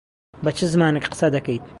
بە چ زمانێک قسە دەکەیت؟